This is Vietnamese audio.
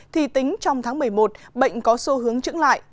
thì tính trong tháng một mươi một bệnh có xu hướng trứng lại